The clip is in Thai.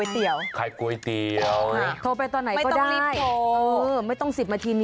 เดี๋ยวอะไรอ่ะขายก๋วยเตี๋ยวโทรไปตอนไหนก็ได้ไม่ต้องรีบโทรไม่ต้องสิทธิ์มาทีนี้